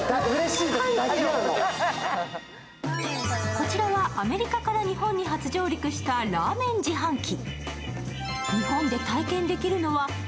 こちらはアメリカから日本に初上陸したラーメン自販機。